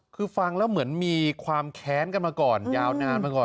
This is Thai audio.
คือฟังแล้วเหมือนมีความแค้นกันมาก่อนยาวนานมาก่อน